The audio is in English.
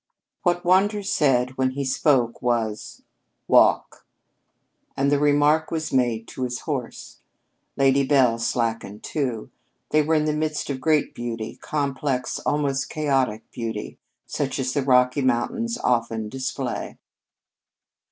What Wander said, when he spoke, was, "Walk," and the remark was made to his horse. Lady Bel slackened, too. They were in the midst of great beauty complex, almost chaotic, beauty, such as the Rocky Mountains often display.